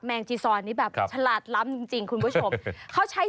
ขอเอาอะไรอ่ะเอาเผลอ